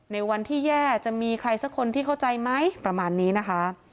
ในวันที่แย่จะมีใครสักคนที่เข้าใจไหมประมาณนี้นะคะ